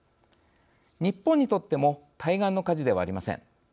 日本にとっても対岸の火事ではありません。